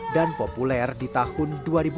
dan populer di tahun dua ribu enam